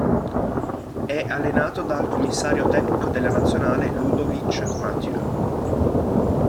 E' allenato dal commissario tecnico della nazionale Ludovic Mathieu.